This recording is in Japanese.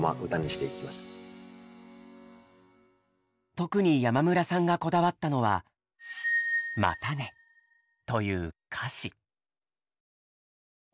特に山村さんがこだわったのは“またね”という歌詞。